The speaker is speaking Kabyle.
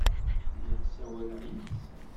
Lliɣ ssawaleɣ yid-sen.